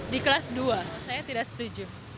di kelas dua saya tidak setuju